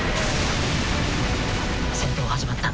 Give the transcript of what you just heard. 戦闘始まった。